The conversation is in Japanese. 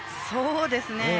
そうですね。